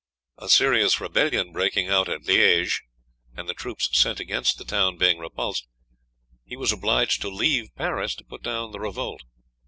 A serious rebellion breaking out at Liege, and the troops sent against the town being repulsed, he was obliged to leave Paris to put down the revolt.